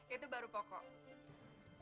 itu baru pokok